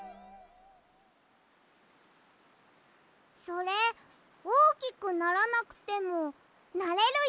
それおおきくならなくてもなれるよ。